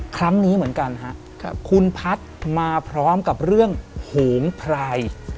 ครั้งนี้เหมือนกันฮะคุณพัฒน์มาพร้อมกับเรื่องโหงพราย